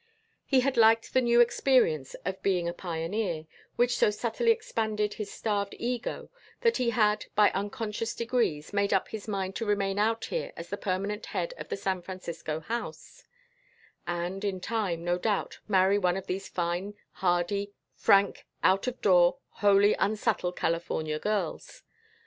He had liked the new experience of being a pioneer, which so subtly expanded his starved ego that he had, by unconscious degrees, made up his mind to remain out here as the permanent head of the San Francisco House; and in time, no doubt, marry one of these fine, hardy, frank, out of door, wholly unsubtle California girls.